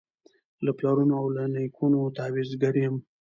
له پلرونو له نیکونو تعویذګر یم